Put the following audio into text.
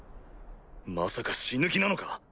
まさか死ぬ気なのか？